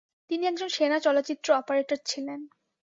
তিনি একজন সেনা চলচ্চিত্র অপারেটর ছিলেন।